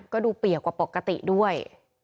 ก็ดูเปียกกว่าปกติด้วย